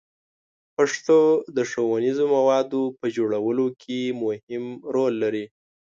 پښتو د ښوونیزو موادو په جوړولو کې مهم رول لري.